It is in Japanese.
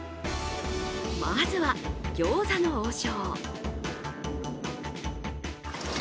まずは餃子の王将。